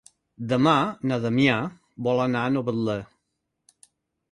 Demà na Damià vol anar a Novetlè.